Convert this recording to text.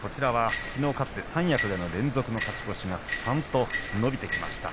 きのう勝って三役での連続の勝ち越しが３と伸びてきました。